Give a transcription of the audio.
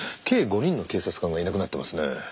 計５人の警察官がいなくなってますね。